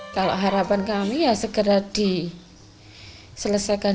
kalau harapan kami ya segera diselesaikan